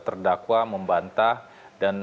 terdakwa membantah dan